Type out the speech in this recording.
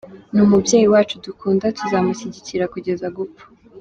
Ni umubyeyi wacu dukunda tuzamushyigikira kugeza gupfa.